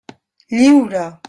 Lliure!